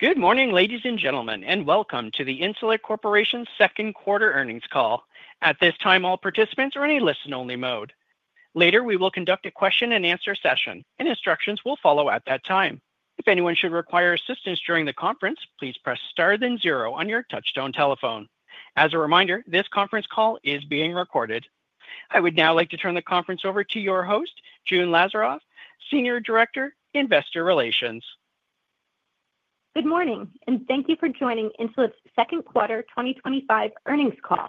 Good morning, ladies and gentlemen, and welcome to the Insulet Corporation's Second Quarter Earnings Call. At this time, all participants are in a listen-only mode. Later, we will conduct a question-and-answer session, and instructions will follow at that time. If anyone should require assistance during the conference, please press star, then zero on your touch-tone telephone. As a reminder, this conference call is being recorded. I would now like to turn the conference over to your host, June Lazaroff, Senior Director, Investor Relations. Good morning, and thank you for joining Insulet's Second Quarter 2025 Earnings Call.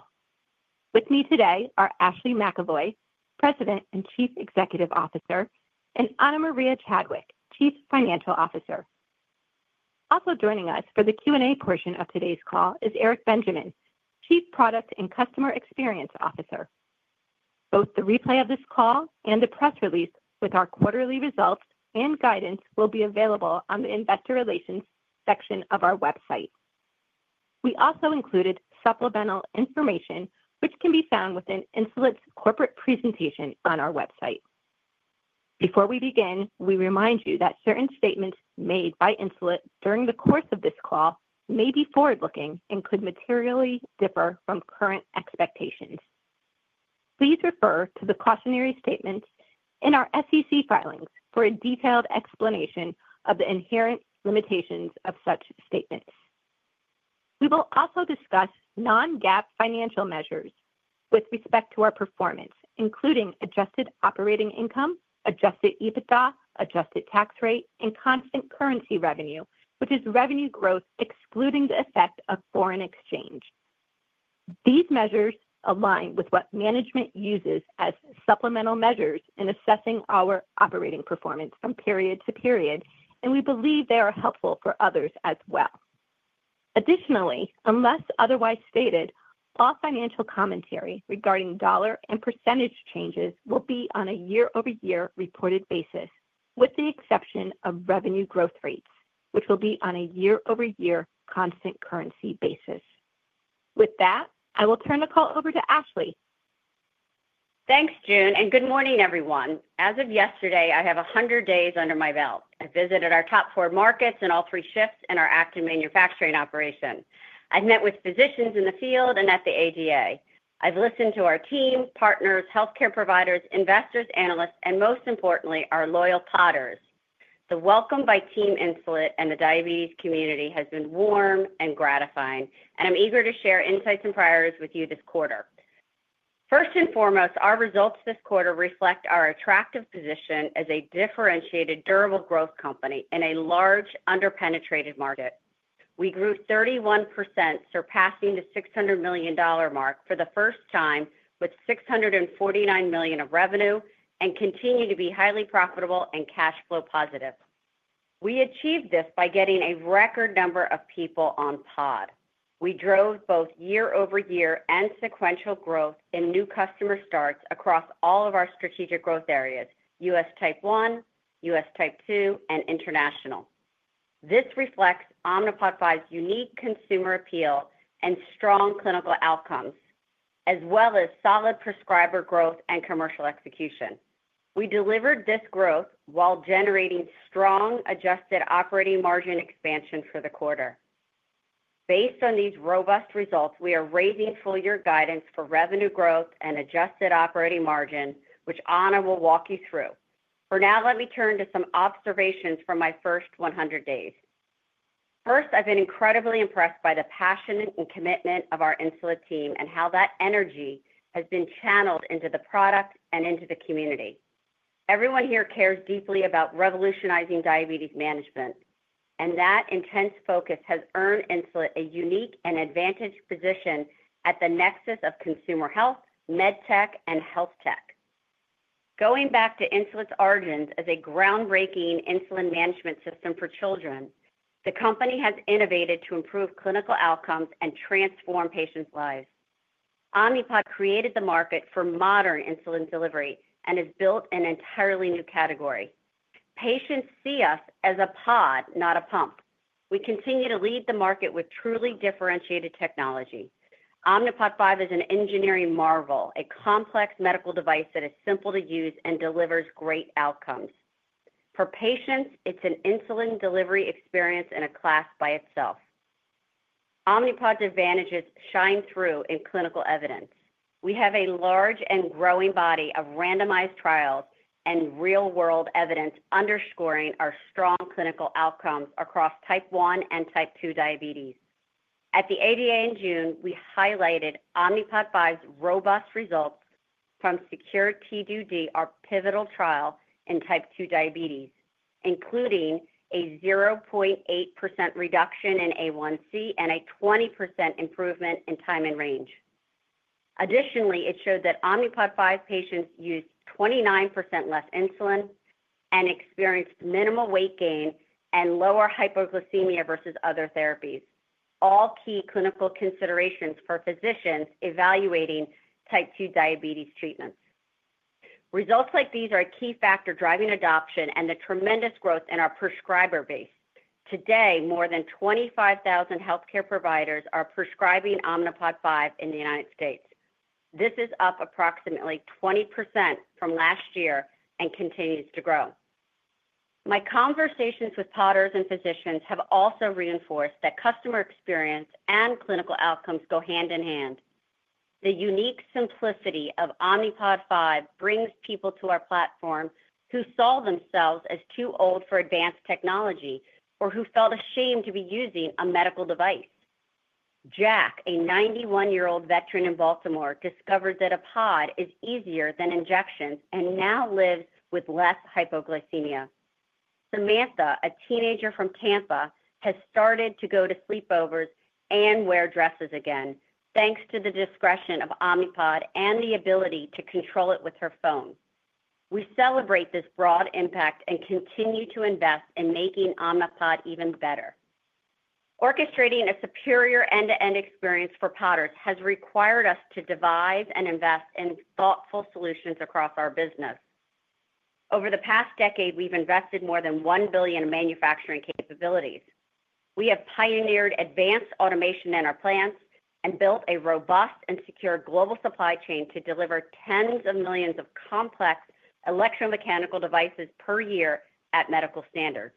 With me today are Ashley McEvoy, President and Chief Executive Officer, and Ana Maria Chadwick, Chief Financial Officer. Also joining us for the Q&A portion of today's call is Eric Benjamin, Chief Product and Customer Experience Officer. Both the replay of this call and the press release with our quarterly results and guidance will be available on the investor relations section of our website. We also included supplemental information, which can be found within Insulet's corporate presentation on our website. Before we begin, we remind you that certain statements made by Insulet during the course of this call may be forward-looking and could materially differ from current expectations. Please refer to the cautionary statements in our SEC filings for a detailed explanation of the inherent limitations of such statements. We will also discuss non-GAAP financial measures with respect to our performance, including adjusted operating income, adjusted EBITDA, adjusted tax rate, and constant currency revenue, which is revenue growth excluding the effect of foreign exchange. These measures align with what management uses as supplemental measures in assessing our operating performance from period to period, and we believe they are helpful for others as well. Additionally, unless otherwise stated, all financial commentary regarding dollar and percentage changes will be on a year-over-year reported basis, with the exception of revenue growth rates, which will be on a year-over-year constant currency basis. With that, I will turn the call over to Ashley. Thanks, June, and good morning, everyone. As of yesterday, I have 100 days under my belt. I visited our top four markets in all three shifts in our active manufacturing operation. I met with physicians in the field and at the ADA. I've listened to our team, partners, healthcare providers, investors, analysts, and most importantly, our loyal Podders. The welcome by Team Insulet and the diabetes community has been warm and gratifying, and I'm eager to share insights and priors with you this quarter. First and foremost, our results this quarter reflect our attractive position as a differentiated, durable growth company in a large, underpenetrated market. We grew 31%, surpassing the $600 million mark for the first time, with $649 million of revenue, and continue to be highly profitable and cash flow positive. We achieved this by getting a record number of people on pod. We drove both year-over-year and sequential growth in new customer starts across all of our strategic growth areas: U.S. type 1, U.S. type 2, and International. This reflects Omnipod 5's unique consumer appeal and strong clinical outcomes, as well as solid prescriber growth and commercial execution. We delivered this growth while generating strong adjusted operating margin expansion for the quarter. Based on these robust results, we are raising full-year guidance for revenue growth and adjusted operating margin, which Ana will walk you through. For now, let me turn to some observations from my first 100 days. First, I've been incredibly impressed by the passion and commitment of our Insulet team and how that energy has been channeled into the product and into the community. Everyone here cares deeply about revolutionizing diabetes management, and that intense focus has earned Insulet a unique and advantaged position at the nexus of consumer health, med tech, and health tech. Going back to Insulet's origins as a groundbreaking insulin management system for children, the company has innovated to improve clinical outcomes and transform patients' lives. Omnipod created the market for modern insulin delivery and has built an entirely new category. Patients see us as a pod, not a pump. We continue to lead the market with truly differentiated technology. Omnipod 5 is an engineering marvel, a complex medical device that is simple to use and delivers great outcomes. For patients, it's an insulin delivery experience in a class by itself. Omnipod's advantages shine through in clinical evidence. We have a large and growing body of randomized trials and real-world evidence underscoring our strong clinical outcomes across type 1 and type 2 diabetes. At the ADA in June, we highlighted Omnipod 5's robust results from SECURE-T2D, our pivotal trial in type 2 diabetes, including a 0.8% reduction in A1c and a 20% improvement in time in range. Additionally, it showed that Omnipod 5 patients used 29% less insulin and experienced minimal weight gain and lower hypoglycemia versus other therapies, all key clinical considerations for physicians evaluating type 2 diabetes treatments. Results like these are a key factor driving adoption and the tremendous growth in our prescriber base. Today, more than 25,000 healthcare providers are prescribing Omnipod 5 in the United States. This is up approximately 20% from last year and continues to grow. My conversations with Podders and physicians have also reinforced that customer experience and clinical outcomes go hand in hand. The unique simplicity of Omnipod 5 brings people to our platform who saw themselves as too old for advanced technology or who felt ashamed to be using a medical device. Jack, a 91-year-old veteran in Baltimore, discovers that a pod is easier than injections and now lives with less hypoglycemia. Samantha, a teenager from Tampa, has started to go to sleepovers and wear dresses again, thanks to the discretion of Omnipod and the ability to control it with her phone. We celebrate this broad impact and continue to invest in making Omnipod even better. Orchestrating a superior end-to-end experience for Podders has required us to devise and invest in thoughtful solutions across our business. Over the past decade, we've invested more than $1 billion in manufacturing capabilities. We have pioneered advanced automation in our plants and built a robust and secure global supply chain to deliver tens of millions of complex electromechanical devices per year at medical standards.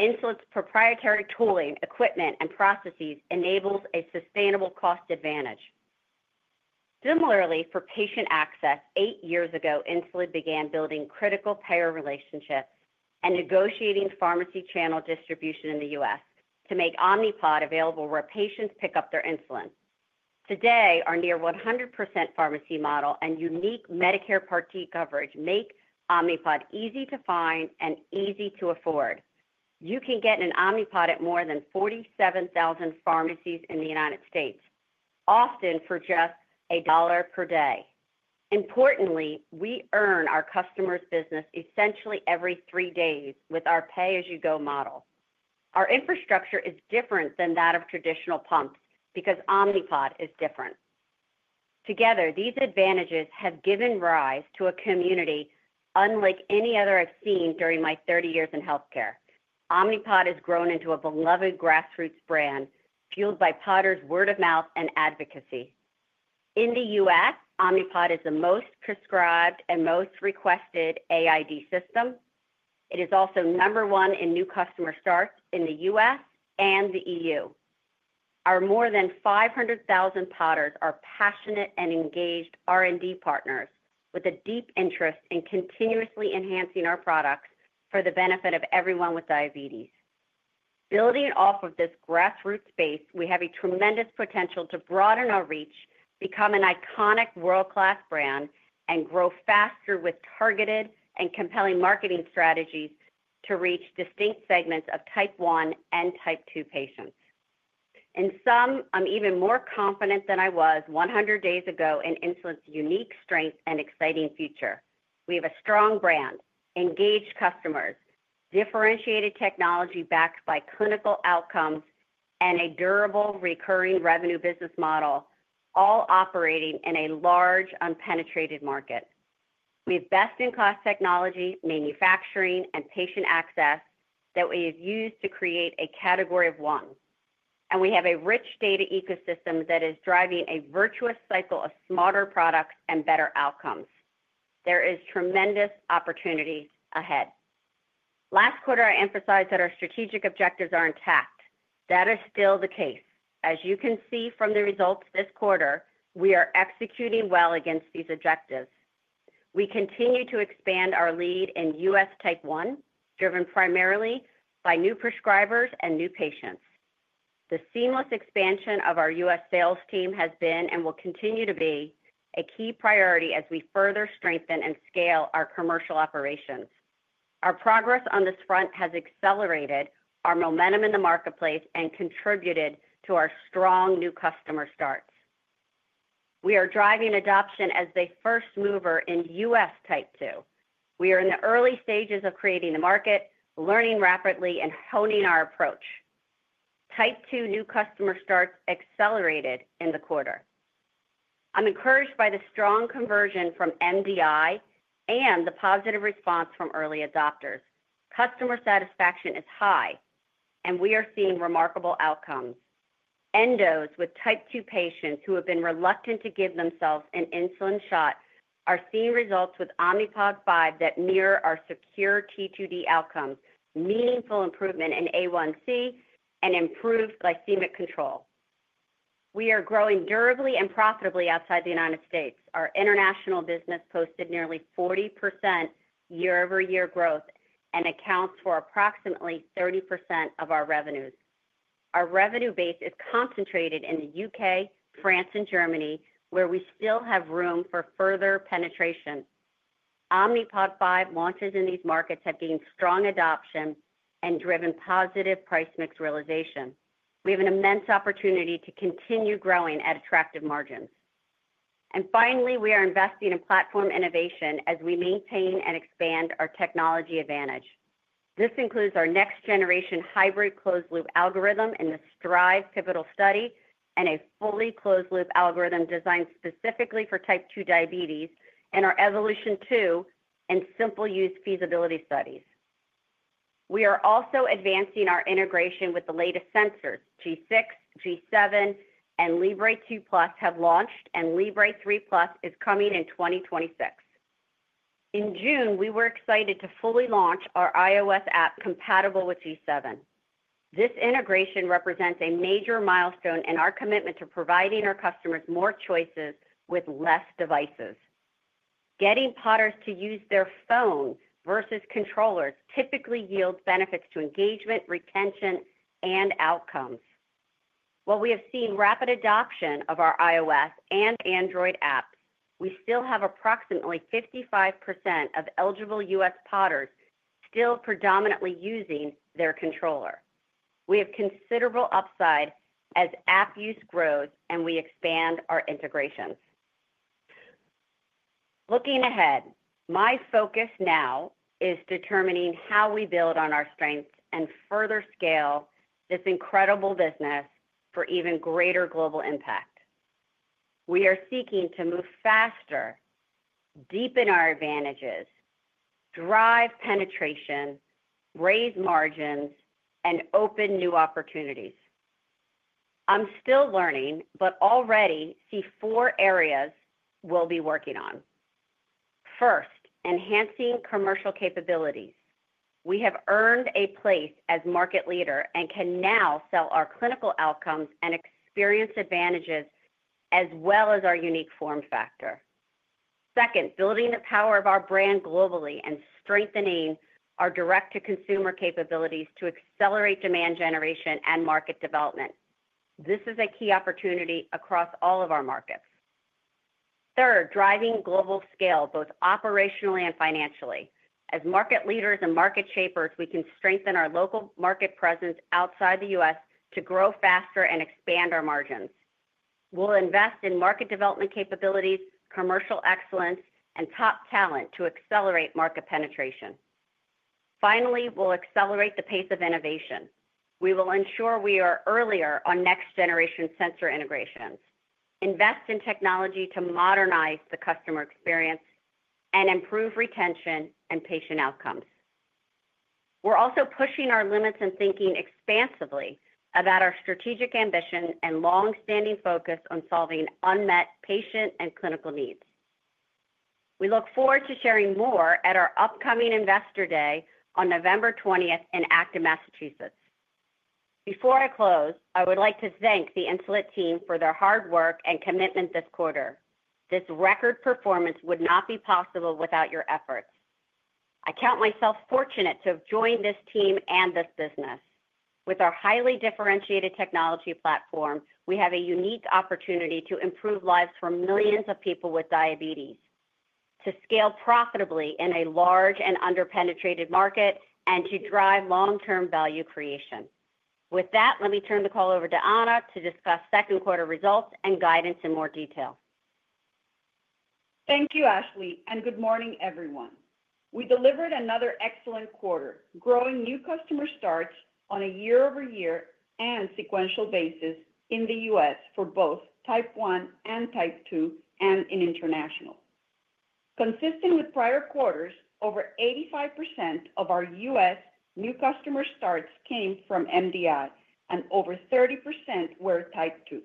Insulet's proprietary tooling, equipment, and processes enable a sustainable cost advantage. Similarly, for patient access, eight years ago, Insulet began building critical payer relationships and negotiating pharmacy channel distribution in the U.S. to make Omnipod available where patients pick up their insulin. Today, our near 100% pharmacy model and unique Medicare Part D coverage make Omnipod easy to find and easy to afford. You can get an Omnipod at more than 47,000 pharmacies in the United States., often for just $1 per day. Importantly, we earn our customers' business essentially every three days with our pay-as-you-go model. Our infrastructure is different than that of traditional pumps because Omnipod is different. Together, these advantages have given rise to a community unlike any other I've seen during my 30 years in healthcare. Omnipod has grown into a beloved grassroots brand fueled by Podders' word of mouth and advocacy. In the U.S., Omnipod is the most prescribed and most requested AID system. It is also number one in new customer starts in the U.S. and the EU. Our more than 500,000 Podders are passionate and engaged R&D partners with a deep interest in continuously enhancing our products for the benefit of everyone with diabetes. Building off of this grassroots base, we have a tremendous potential to broaden our reach, become an iconic world-class brand, and grow faster with targeted and compelling marketing strategies to reach distinct segments of type 1 and type 2 patients. In sum, I'm even more confident than I was 100 days ago in Insulet's unique strength and exciting future. We have a strong brand, engaged customers, differentiated technology backed by clinical outcomes, and a durable recurring revenue business model, all operating in a large, unpenetrated market. We have best-in-class technology, manufacturing, and patient access that we have used to create a category of one. We have a rich data ecosystem that is driving a virtuous cycle of smarter products and better outcomes. There is tremendous opportunity ahead. Last quarter, I emphasized that our strategic objectives are intact. That is still the case. As you can see from the results this quarter, we are executing well against these objectives. We continue to expand our lead in U.S. type 1, driven primarily by new prescribers and new patients. The seamless expansion of our U.S. sales team has been and will continue to be a key priority as we further strengthen and scale our commercial operations. Our progress on this front has accelerated our momentum in the marketplace and contributed to our strong new customer starts. We are driving adoption as the first mover in U.S. type 2. We are in the early stages of creating the market, learning rapidly, and honing our approach. type 2 new customer starts accelerated in the quarter. I'm encouraged by the strong conversion from MDI and the positive response from early adopters. Customer satisfaction is high, and we are seeing remarkable outcomes. Endos with type 2 patients who have been reluctant to give themselves an insulin shot are seeing results with Omnipod 5 that mirror our SECURE-T2D outcomes, meaningful improvement in A1c, and improved glycemic control. We are growing durably and profitably outside the United States. Our international business posted nearly 40% year-over-year growth and accounts for approximately 30% of our revenues. Our revenue base is concentrated in the U.K., France, and Germany, where we still have room for further penetration. Omnipod 5 launches in these markets have gained strong adoption and driven positive price mix realization. We have an immense opportunity to continue growing at attractive margins. Finally, we are investing in platform innovation as we maintain and expand our technology advantage. This includes our next-generation hybrid closed-loop algorithm in the STRIVE pivotal study and a fully closed-loop algorithm designed specifically for type 2 diabetes in our EVOLUTION 2 and Simple Use feasibility studies. We are also advancing our integration with the latest sensors. G6, G7, and Libre 2 Plus have launched, and Libre 3 Plus is coming in 2026. In June, we were excited to fully launch our iOS app compatible with G7. This integration represents a major milestone in our commitment to providing our customers more choices with fewer devices. Getting Podders to use their phone versus controllers typically yields benefits to engagement, retention, and outcomes. While we have seen rapid adoption of our iOS and Android app, we still have approximately 55% of eligible U.S. Podders still predominantly using their controller. We have considerable upside as app use grows and we expand our integrations. Looking ahead, my focus now is determining how we build on our strengths and further scale this incredible business for even greater global impact. We are seeking to move faster, deepen our advantages, drive penetration, raise margins, and open new opportunities. I'm still learning, but already see four areas we'll be working on. First, enhancing commercial capabilities. We have earned a place as market leader and can now sell our clinical outcomes and experience advantages as well as our unique form factor. Second, building the power of our brand globally and strengthening our direct-to-consumer capabilities to accelerate demand generation and market development. This is a key opportunity across all of our markets. Third, driving global scale both operationally and financially. As market leaders and market shapers, we can strengthen our local market presence outside the U.S. to grow faster and expand our margins. We'll invest in market development capabilities, commercial excellence, and top talent to accelerate market penetration. Finally, we'll accelerate the pace of innovation. We will ensure we are earlier on next-generation sensor integrations, invest in technology to modernize the customer experience, and improve retention and patient outcomes. We're also pushing our limits and thinking expansively about our strategic ambition and longstanding focus on solving unmet patient and clinical needs. We look forward to sharing more at our upcoming Investor Day on November 20th in Acton, Massachusetts. Before I close, I would like to thank the Insulet team for their hard work and commitment this quarter. This record performance would not be possible without your efforts. I count myself fortunate to have joined this team and this business. With our highly differentiated technology platform, we have a unique opportunity to improve lives for millions of people with diabetes, to scale profitably in a large and underpenetrated market, and to drive long-term value creation. With that, let me turn the call over to Ana Maria Chadwick to discuss second quarter results and guidance in more detail. Thank you, Ashley, and good morning, everyone. We delivered another excellent quarter, growing new customer starts on a year-over-year and sequential basis in the U.S. for both type 1 and type 2 and in International. Consistent with prior quarters, over 85% of our U.S. new customer starts came from MDI, and over 30% were type 2.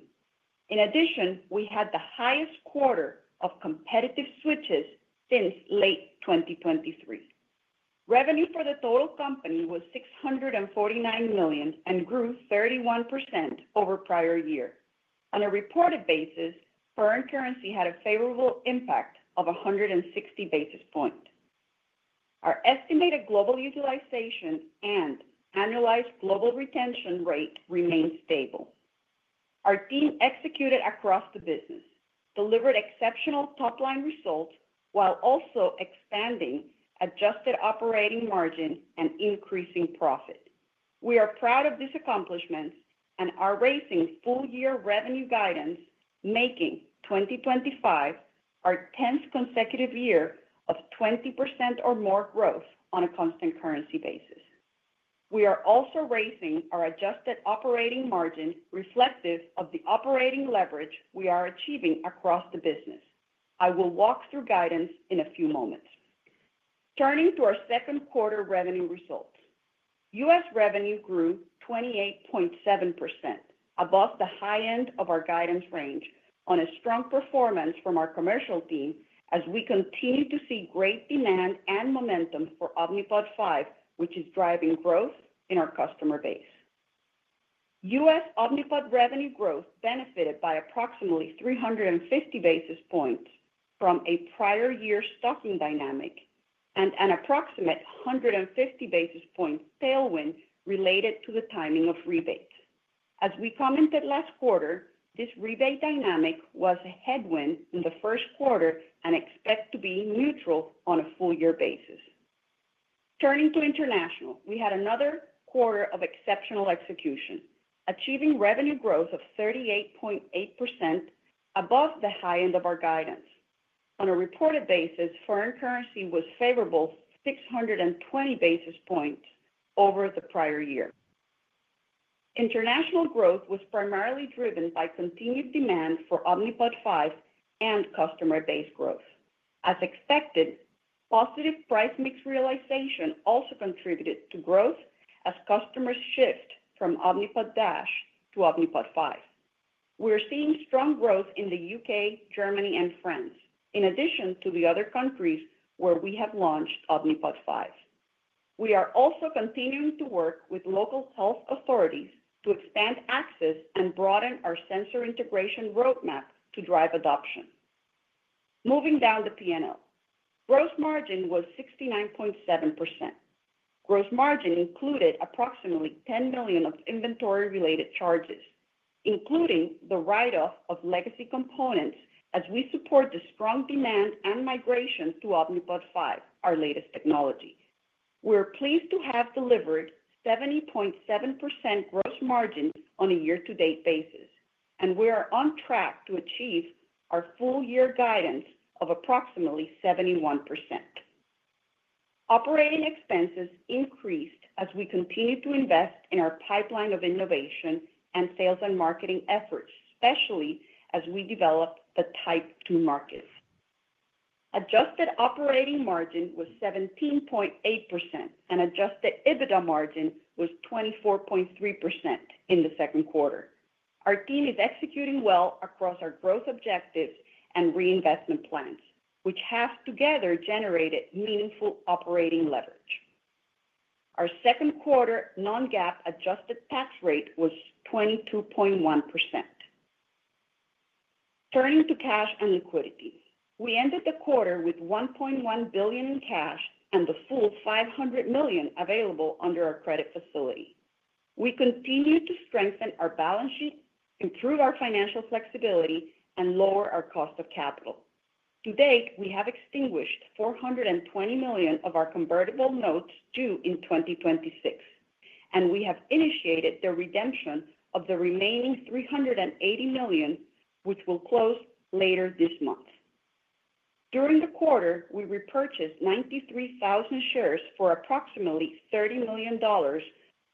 In addition, we had the highest quarter of competitive switches since late 2023. Revenue for the total company was $649 million and grew 31% over prior years. On a reported basis, foreign currency had a favorable impact of 160 basis points. Our estimated global utilization and annualized global retention rate remained stable. Our team executed across the business, delivered exceptional top-line results while also expanding adjusted operating margin and increasing profit. We are proud of these accomplishments and are raising full-year revenue guidance, making 2025 our 10th consecutive year of 20% or more growth on a constant currency basis. We are also raising our adjusted operating margin reflective of the operating leverage we are achieving across the business. I will walk through guidance in a few moments. Turning to our second quarter revenue results, U.S. revenue grew 28.7%, above the high end of our guidance range, on a strong performance from our commercial team as we continue to see great demand and momentum for Omnipod 5, which is driving growth in our customer base. U.S. Omnipod revenue growth benefited by approximately 350 basis points from a prior year stocking dynamic and an approximate 150 basis point tailwind related to the timing of rebates. As we commented last quarter, this rebate dynamic was a headwind in the first quarter and expects to be neutral on a full-year basis. Turning to International, we had another quarter of exceptional execution, achieving revenue growth of 38.8%, above the high end of our guidance. On a reported basis, foreign currency was favorable, 620 basis points over the prior year. International growth was primarily driven by continued demand for Omnipod 5 and customer base growth. As expected, positive price mix realization also contributed to growth as customers shift from Omnipod DASH to Omnipod 5. We are seeing strong growth in the U.K., Germany, and France, in addition to the other countries where we have launched Omnipod 5. We are also continuing to work with local health authorities to expand access and broaden our sensor integration roadmap to drive adoption. Moving down the P&L, gross margin was 69.7%. Gross margin included approximately $10 million of inventory-related charges, including the write-off of legacy components as we support the strong demand and migration to Omnipod 5, our latest technology. We are pleased to have delivered 70.7% gross margin on a year-to-date basis, and we are on track to achieve our full-year guidance of approximately 71%. Operating expenses increased as we continue to invest in our pipeline of innovation and sales and marketing efforts, especially as we develop the type 2 markets. Adjusted operating margin was 17.8%, and adjusted EBITDA margin was 24.3% in the second quarter. Our team is executing well across our growth objectives and reinvestment plans, which have together generated meaningful operating leverage. Our second quarter non-GAAP adjusted tax rate was 22.1%. Turning to cash and liquidity, we ended the quarter with $1.1 billion in cash and the full $500 million available under our credit facility. We continue to strengthen our balance sheet, improve our financial flexibility, and lower our cost of capital. To date, we have extinguished $420 million of our convertible notes due in 2026, and we have initiated the redemption of the remaining $380 million, which will close later this month. During the quarter, we repurchased 93,000 shares for approximately $30 million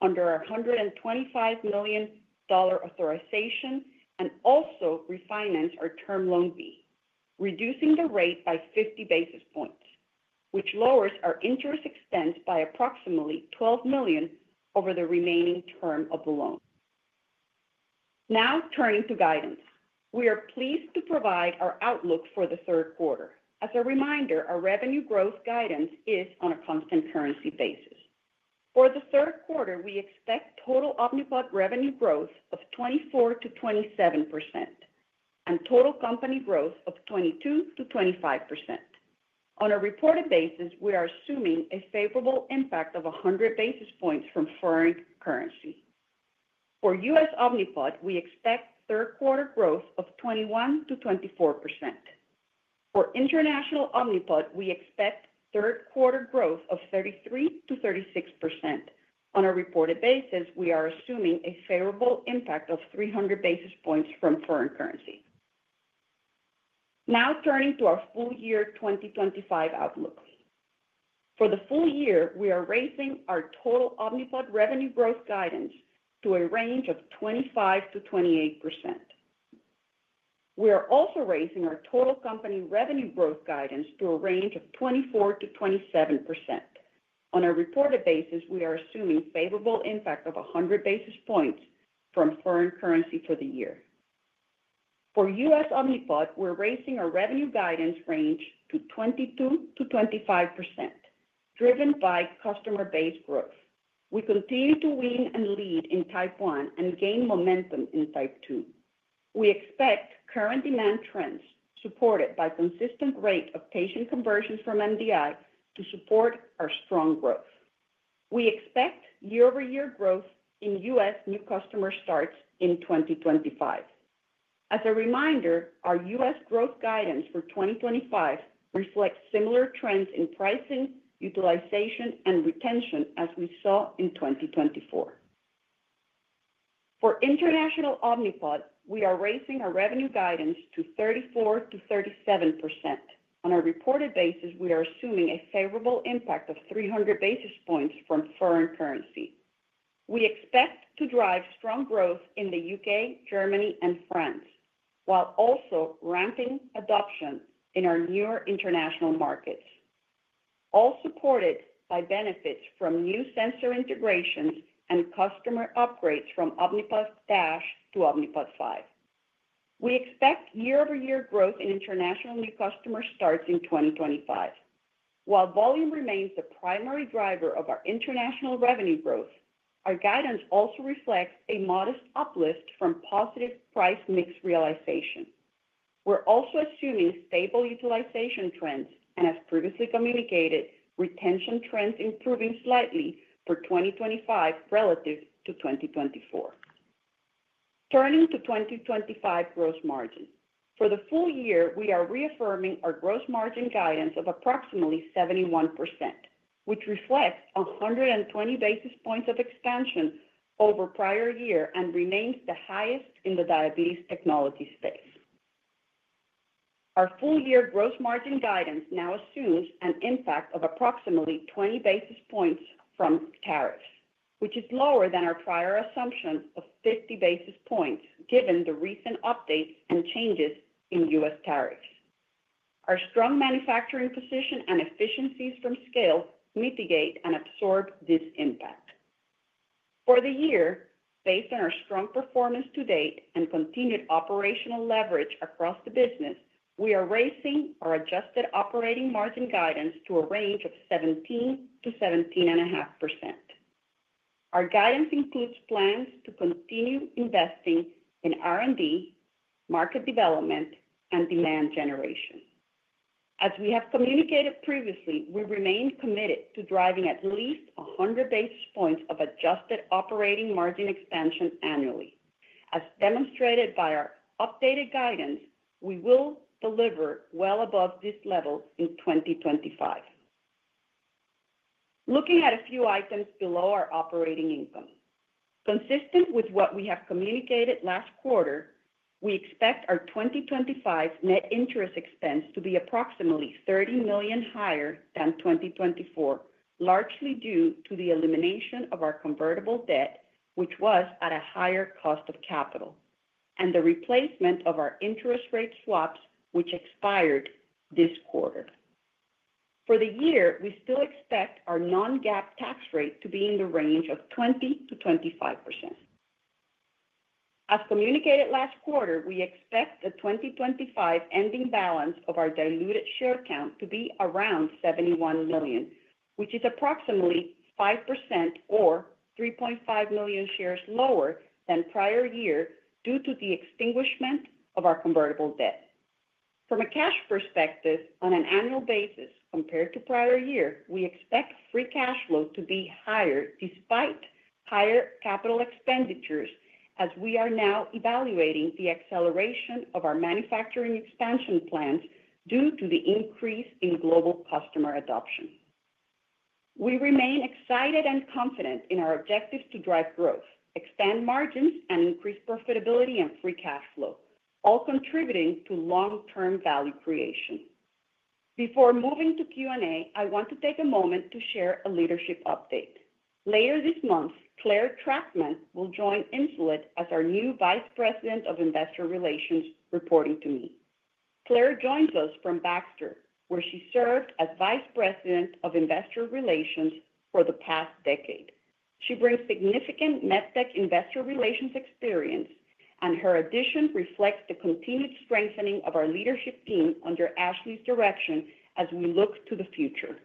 under our $125 million authorization and also refinanced our term loan fee, reducing the rate by 50 basis points, which lowers our interest expense by approximately $12 million over the remaining term of the loan. Now turning to guidance, we are pleased to provide our outlook for the third quarter. As a reminder, our revenue growth guidance is on a constant currency basis. For the third quarter, we expect total Omnipod revenue growth of 24%-27% and total company growth of 22%-25%. On a reported basis, we are assuming a favorable impact of 100 basis points from foreign currency. For U.S. Omnipod, we expect third-quarter growth of 21%-24%. For International Omnipod, we expect third-quarter growth of 33%-36%. On a reported basis, we are assuming a favorable impact of 300 basis points from foreign currency. Now turning to our full-year 2025 outlook. For the full year, we are raising our total Omnipod revenue growth guidance to a range of 25%-28%. We are also raising our total company revenue growth guidance to a range of 24%-27%. On a reported basis, we are assuming a favorable impact of 100 basis points from foreign currency for the year. For U.S. Omnipod, we're raising our revenue guidance range to 22%-25%, driven by customer base growth. We continue to win and lead in type 1 and gain momentum in type 2. We expect current demand trends supported by a consistent rate of patient conversions from MDI to support our strong growth. We expect year-over-year growth in U.S. new customer starts in 2025. As a reminder, our U.S. growth guidance for 2025 reflects similar trends in pricing, utilization, and retention as we saw in 2024. For International Omnipod, we are raising our revenue guidance to 34%-37%. On a reported basis, we are assuming a favorable impact of 300 basis points from foreign currency. We expect to drive strong growth in the U.K., Germany, and France, while also ramping adoption in our newer international markets, all supported by benefits from new sensor integrations and customer upgrades from Omnipod DASH to Omnipod 5. We expect year-over-year growth in international new customer starts in 2025. While volume remains the primary driver of our international revenue growth, our guidance also reflects a modest uplift from positive price mix realization. We're also assuming stable utilization trends and, as previously communicated, retention trends improving slightly for 2025 relative to 2024. Turning to 2025 gross margin, for the full year, we are reaffirming our gross margin guidance of approximately 71%, which reflects 120 basis points of expansion over prior year and remains the highest in the diabetes technology space. Our full-year gross margin guidance now assumes an impact of approximately 20 basis points from tariffs, which is lower than our prior assumption of 50 basis points given the recent updates and changes in U.S. tariffs. Our strong manufacturing position and efficiencies from scale mitigate and absorb this impact. For the year, based on our strong performance to date and continued operational leverage across the business, we are raising our adjusted operating margin guidance to a range of 17%-17.5%. Our guidance includes plans to continue investing in R&D, market development, and demand generation. As we have communicated previously, we remain committed to driving at least 100 basis points of adjusted operating margin expansion annually. As demonstrated by our updated guidance, we will deliver well above this level in 2025. Looking at a few items below our operating income, consistent with what we have communicated last quarter, we expect our 2025 net interest expense to be approximately $30 million higher than 2024, largely due to the elimination of our convertible debt, which was at a higher cost of capital, and the replacement of our interest rate swaps, which expired this quarter. For the year, we still expect our non-GAAP tax rate to be in the range of 20%-25%. As communicated last quarter, we expect the 2025 ending balance of our diluted share count to be around 71 million, which is approximately 5% or 3.5 million shares lower than prior year due to the extinguishment of our convertible debt. From a cash perspective, on an annual basis compared to prior year, we expect free cash flow to be higher despite higher capital expenditures as we are now evaluating the acceleration of our manufacturing expansion plans due to the increase in global customer adoption. We remain excited and confident in our objectives to drive growth, expand margins, and increase profitability and free cash flow, all contributing to long-term value creation. Before moving to Q&A, I want to take a moment to share a leadership update. Later this month, Clare Trachtman will join Insulet as our new Vice President of Investor Relations, reporting to me. Clare joins us from Baxter, where she served as Vice President of Investor Relations for the past decade. She brings significant medtech investor relations experience, and her addition reflects the continued strengthening of our leadership team under Ashley's direction as we look to the future.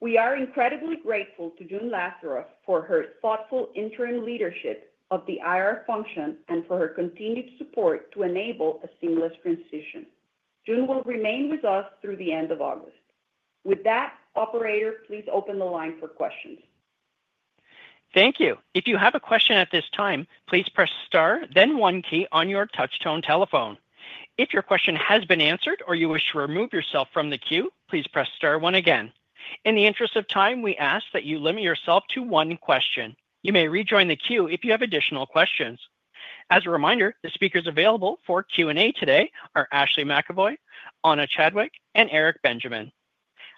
We are incredibly grateful to June Lazaroff for her thoughtful interim leadership of the IR function and for her continued support to enable a seamless transition. June will remain with us through the end of August. With that, operator, please open the line for questions. Thank you. If you have a question at this time, please press star, then one key on your touch-tone telephone. If your question has been answered or you wish to remove yourself from the queue, please press star one again. In the interest of time, we ask that you limit yourself to one question. You may rejoin the queue if you have additional questions. As a reminder, the speakers available for Q&A today are Ashley McEvoy, Ana Chadwick, and Eric Benjamin.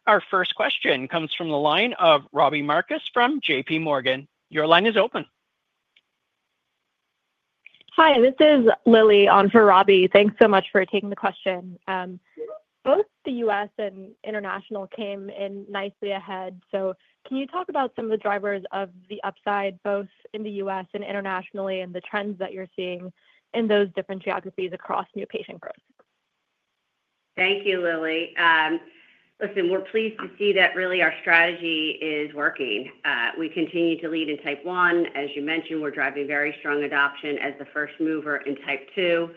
Our first question comes from the line of Robbie Marcus from JPMorgan. Your line is open. Hi, this is Lily on for Robbie. Thanks so much for taking the question. Both the U.S. and International came in nicely ahead. Can you talk about some of the drivers of the upside both in the U.S. and internationally, and the trends that you're seeing in those different geographies across new patient growth? Thank you, Lily. Listen, we're pleased to see that really our strategy is working. We continue to lead in type 1. As you mentioned, we're driving very strong adoption as the first mover in type 2.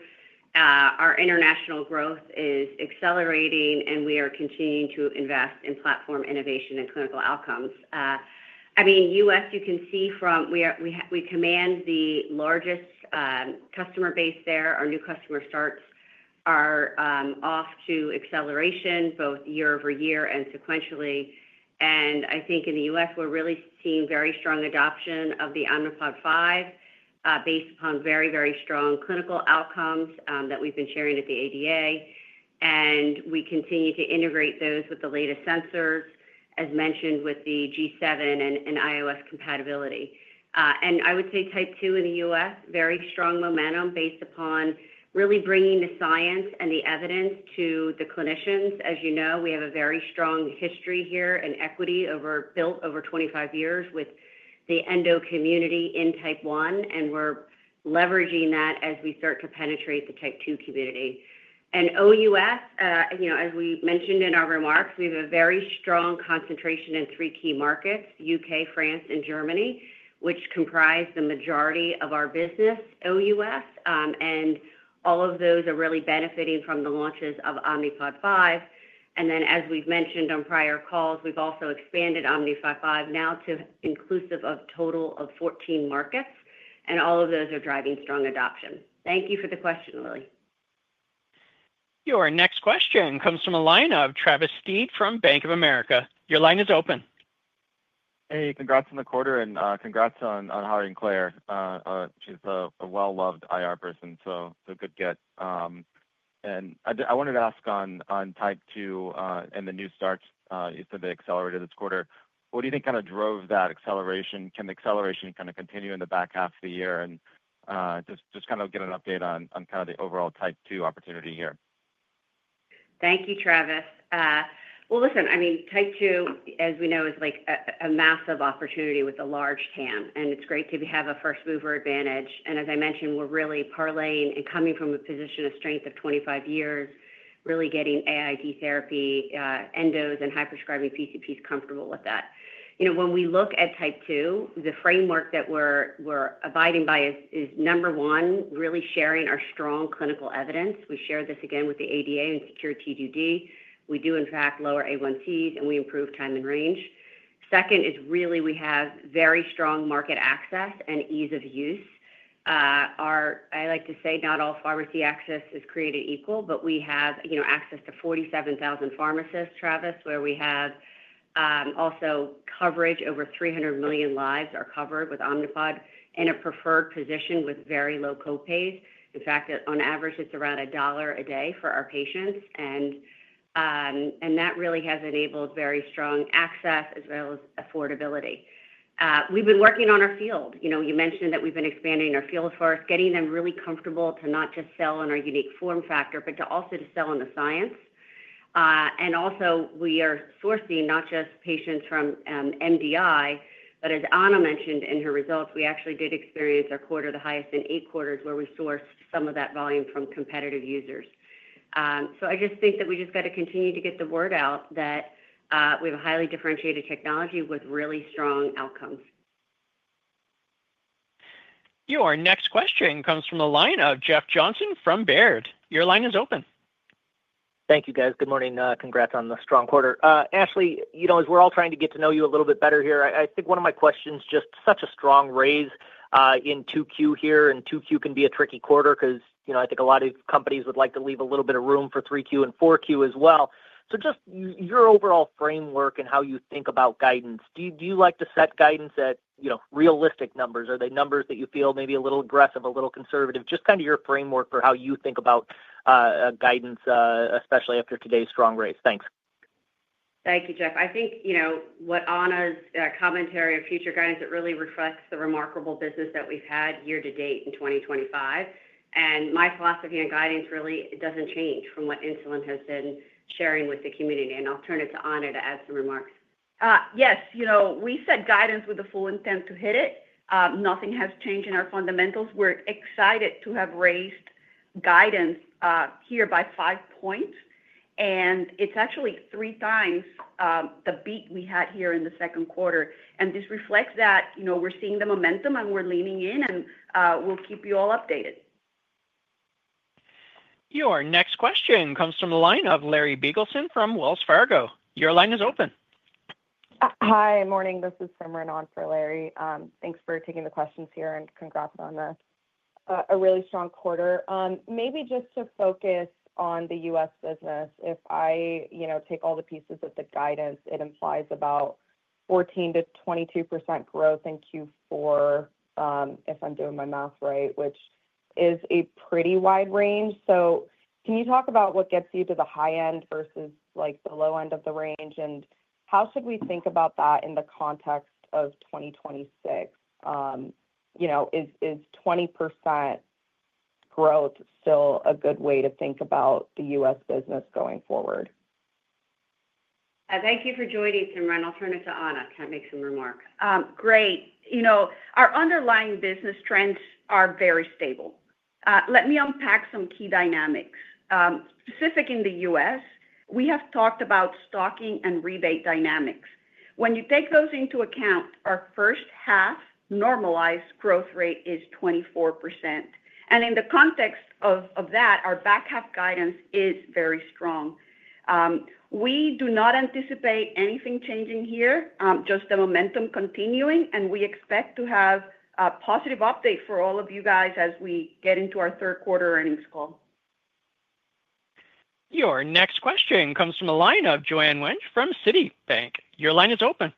Our international growth is accelerating, and we are continuing to invest in platform innovation and clinical outcomes. In the U.S., you can see we command the largest customer base there. Our new customer starts are off to acceleration both year-over-year and sequentially. I think in the U.S., we're really seeing very strong adoption of the Omnipod 5 based upon very, very strong clinical outcomes that we've been sharing at the ADA. We continue to integrate those with the latest sensors, as mentioned with the G7 and iOS compatibility. I would say type 2 in the U.S., very strong momentum based upon really bringing the science and the evidence to the clinicians. As you know, we have a very strong history here and equity built over 25 years with the endo community in type 1, and we're leveraging that as we start to penetrate the type 2 community. OUS, as we mentioned in our remarks, we have a very strong concentration in three key markets: U.K., France, and Germany, which comprise the majority of our business OUS, and all of those are really benefiting from the launches of Omnipod 5. As we've mentioned on prior calls, we've also expanded Omnipod 5 now to inclusive of a total of 14 markets, and all of those are driving strong adoption. Thank you for the question, Lily. Your next question comes from a line of Travis Steed from Bank of America. Your line is open. Hey, congrats on the quarter and congrats on hiring Clare. She's a well-loved IR person, so it's a good get. I wanted to ask on type 2 and the new starts. You said they accelerated this quarter. What do you think kind of drove that acceleration? Can the acceleration continue in the back half of the year and just get an update on the overall type 2 opportunity here? Thank you, Travis. type 2, as we know, is a massive opportunity with a large TAM, and it's great to have a first mover advantage. As I mentioned, we're really parlaying and coming from a position of strength of 25 years, really getting AID therapy, endos, and high prescribing PCPs comfortable with that. You know, when we look at type 2, the framework that we're abiding by is, number one, really sharing our strong clinical evidence. We share this again with the ADA and SECURE-T2D. We do, in fact, lower A1cs, and we improve time in range. Second is really we have very strong market access and ease of use. I like to say not all pharmacy access is created equal, but we have access to 47,000 pharmacists, Travis, where we have also coverage over 300 million lives are covered with Omnipod in a preferred position with very low copays. In fact, on average, it's around $1 a day for our patients, and that really has enabled very strong access as well as affordability. We've been working on our field. You mentioned that we've been expanding our field force, getting them really comfortable to not just sell in our unique form factor, but also to sell in the science. Also, we are sourcing not just patients from MDI, but as Ana mentioned in her results, we actually did experience our quarter, the highest in eight quarters, where we sourced some of that volume from competitive users. I just think that we just got to continue to get the word out that we have a highly differentiated technology with really strong outcomes. Your next question comes from a line of Jeff Johnson from Baird. Your line is open. Thank you, guys. Good morning. Congrats on the strong quarter. Ashley, as we're all trying to get to know you a little bit better here, I think one of my questions, just such a strong raise in 2Q here, and 2Q can be a tricky quarter because I think a lot of companies would like to leave a little bit of room for 3Q and 4Q as well. Just your overall framework and how you think about guidance. Do you like to set guidance at realistic numbers? Are they numbers that you feel maybe a little aggressive, a little conservative? Just kind of your framework for how you think about guidance, especially after today's strong raise. Thanks. Thank you, Jeff. I think what Ana's commentary of future guidance, it really reflects the remarkable business that we've had year to date in 2025. My philosophy on guidance really doesn't change from what Insulet has been sharing with the community. I'll turn it to Ana to add some remarks. Yes, you know, we set guidance with the full intent to hit it. Nothing has changed in our fundamentals. We're excited to have raised guidance here by 5%, and it's actually three times the beat we had here in the second quarter. This reflects that we're seeing the momentum and we're leaning in, and we'll keep you all updated. Your next question comes from a line of Larry Biegelsen from Wells Fargo. Your line is open. Hi, good morning. This is Simran on for Larry. Thanks for taking the questions here and congrats on a really strong quarter. Maybe just to focus on the U.S. business, if I take all the pieces of the guidance, it implies about 14%-22% growth in Q4, if I'm doing my math right, which is a pretty wide range. Can you talk about what gets you to the high end versus the low end of the range, and how should we think about that in the context of 2026? Is 20% growth still a good way to think about the U.S. business going forward? Thank you for joining, Simran. I'll turn it to Ana to make some remarks. Great. You know, our underlying business trends are very stable. Let me unpack some key dynamics. Specific in the U.S., we have talked about stocking and rebate dynamics. When you take those into account, our first half normalized growth rate is 24%. In the context of that, our back half guidance is very strong. We do not anticipate anything changing here, just the momentum continuing, and we expect to have a positive update for all of you as we get into our third quarter earnings call. Your next question comes from a line of Joanne Wuensch from Citibank. Your line is open.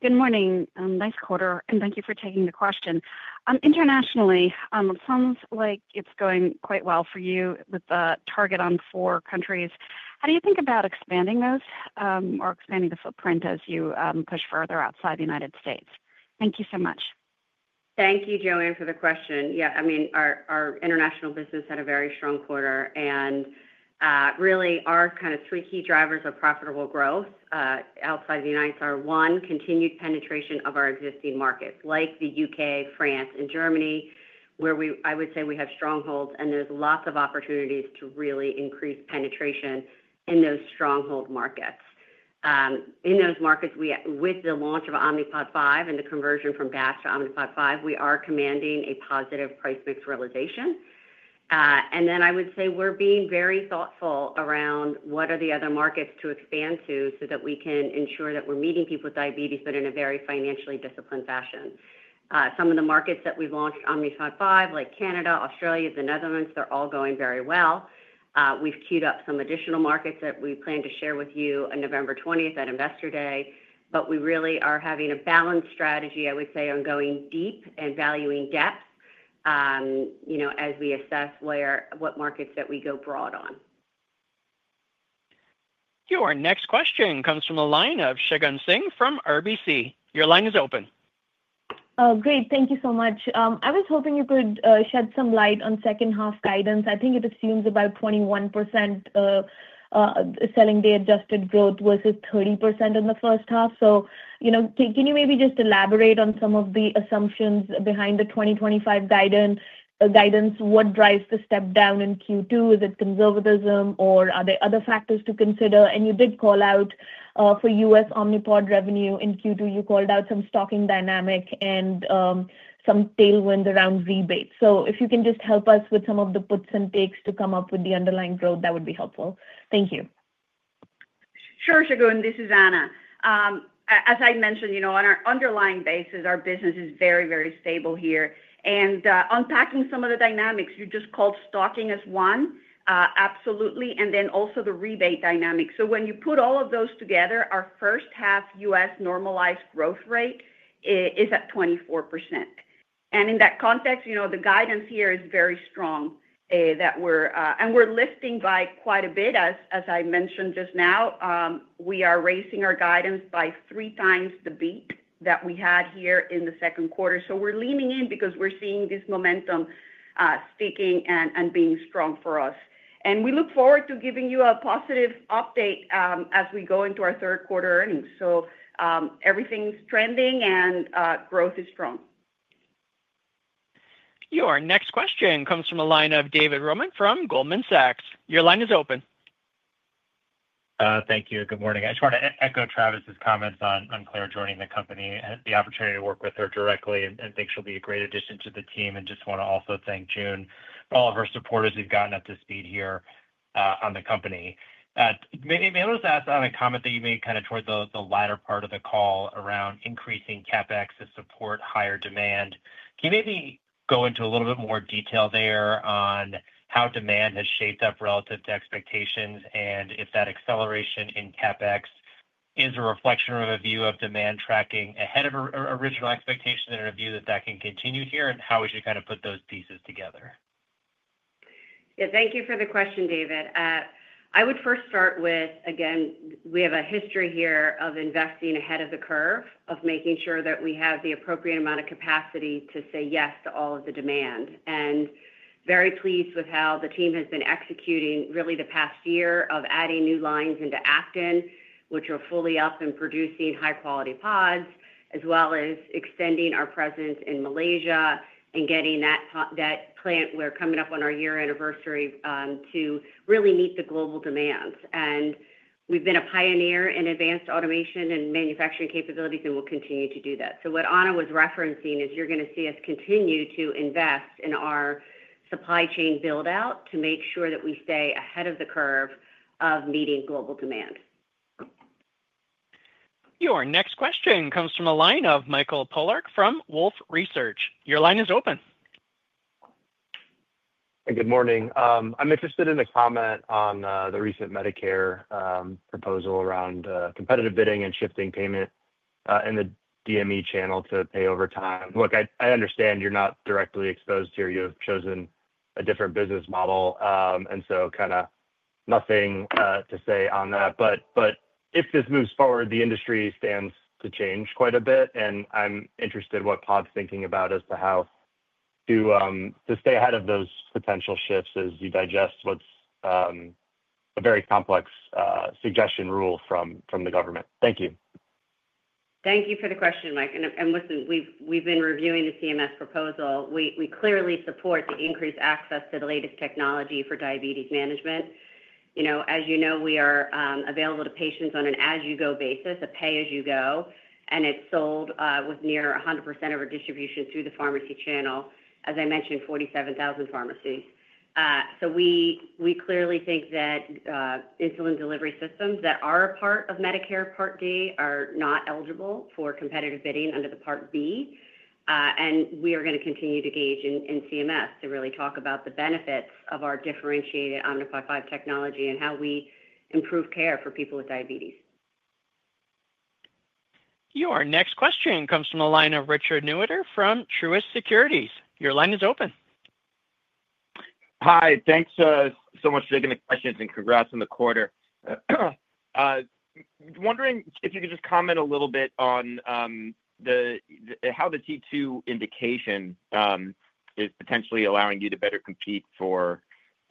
Good morning. Nice quarter, and thank you for taking the question. Internationally, it sounds like it's going quite well for you with the target on four countries. How do you think about expanding those or expanding the footprint as you push further outside the U.S.? Thank you so much. Thank you, Joanne, for the question. Yeah, I mean, our international business had a very strong quarter, and really, our kind of three key drivers of profitable growth outside of the United States are, one, continued penetration of our existing markets like the U.K., France, and Germany, where I would say we have strongholds, and there's lots of opportunities to really increase penetration in those stronghold markets. In those markets, with the launch of Omnipod 5 and the conversion from DASH to Omnipod 5, we are commanding a positive price mix realization. I would say we're being very thoughtful around what are the other markets to expand to so that we can ensure that we're meeting people with diabetes, but in a very financially disciplined fashion. Some of the markets that we launched Omnipod 5, like Canada, Australia, the Netherlands, they're all going very well. We've queued up some additional markets that we plan to share with you on November 20th at Investor Day, but we really are having a balanced strategy, I would say, on going deep and valuing depth, you know, as we assess what markets that we go broad on. Your next question comes from a line of Shagun Singh from RBC. Your line is open. Great. Thank you so much. I was hoping you could shed some light on second half guidance. I think it assumes about 21% selling day adjusted growth versus 30% in the first half. Can you maybe just elaborate on some of the assumptions behind the 2025 guidance? What drives the step down in Q2? Is it conservatism, or are there other factors to consider? You did call out for U.S. Omnipod revenue in Q2. You called out some stocking dynamic and some tailwind around rebate. If you can just help us with some of the puts and takes to come up with the underlying growth, that would be helpful. Thank you. Sure, Shagun, this is Ana. As I mentioned, on our underlying basis, our business is very, very stable here. Unpacking some of the dynamics, you just called stocking as one, absolutely, and then also the rebate dynamics. When you put all of those together, our first half U.S. normalized growth rate is at 24%. In that context, the guidance here is very strong, and we're lifting by quite a bit, as I mentioned just now. We are raising our guidance by three times the beat that we had here in the second quarter. We're leaning in because we're seeing this momentum sticking and being strong for us. We look forward to giving you a positive update as we go into our third quarter earnings. Everything's trending and growth is strong. Your next question comes from a line of David Roman from Goldman Sachs. Your line is open. Thank you. Good morning. I just wanted to echo Travis's comments on Clare joining the company and the opportunity to work with her directly. I think she'll be a great addition to the team. I also want to thank June for all of her support as we've gotten up to speed here on the company. Maybe I'll just ask on a comment that you made towards the latter part of the call around increasing CapEx to support higher demand. Can you go into a little bit more detail there on how demand has shaped up relative to expectations and if that acceleration in CapEx is a reflection of a view of demand tracking ahead of original expectations and a view that that can continue here, and how we should put those pieces together? Thank you for the question, David. I would first start with, again, we have a history here of investing ahead of the curve, of making sure that we have the appropriate amount of capacity to say yes to all of the demand. I am very pleased with how the team has been executing really the past year of adding new lines into Acton, which are fully up and producing high-quality pods, as well as extending our presence in Malaysia and getting that plant. We are coming up on our year anniversary to really meet the global demands. We have been a pioneer in advanced automation and manufacturing capabilities, and we will continue to do that. What Ana was referencing is you are going to see us continue to invest in our supply chain build-out to make sure that we stay ahead of the curve of meeting global demand. Your next question comes from a line of Michael Polark from Wolfe Research. Your line is open. Good morning. I'm interested in a comment on the recent Medicare proposal around competitive bidding and shifting payment in the DME channel to pay over time. I understand you're not directly exposed here. You have chosen a different business model, so nothing to say on that. If this moves forward, the industry stands to change quite a bit. I'm interested in what PODD is thinking about as to how to stay ahead of those potential shifts as you digest what's a very complex suggestion rule from the government. Thank you. Thank you for the question, Mike. We've been reviewing the CMS proposal. We clearly support the increased access to the latest technology for diabetes management. As you know, we are available to patients on an as-you-go basis, a pay-as-you-go, and it's sold with near 100% of our distribution through the pharmacy channel, as I mentioned, 47,000 pharmacies. We clearly think that insulin delivery systems that are a part of Medicare Part D are not eligible for competitive bidding under Part B. We are going to continue to engage in CMS to really talk about the benefits of our differentiated Omnipod 5 technology and how we improve care for people with diabetes. Your next question comes from a line of Richard Newitter from Truist Securities. Your line is open. Hi, thanks so much for taking the questions and congrats on the quarter. I'm wondering if you could just comment a little bit on how the T2 indication is potentially allowing you to better compete for